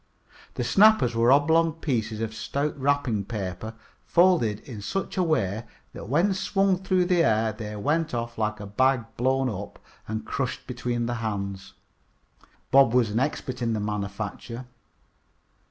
The snappers were oblong pieces of stout wrapping paper, folded in such a way that when swung through the air they went off like a bag blown up and crushed between the hands. Bob was an expert in their manufacture.